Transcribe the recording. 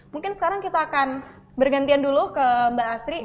mungkin sekarang kita akan bergantian dulu ke mbak asri